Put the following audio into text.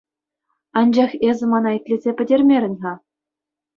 Анчах эсӗ мана итлесе пӗтермерӗн-ха.